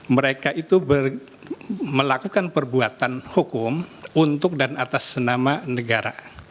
mereka itu melakukan perbuatan hukum untuk dan atas nama negara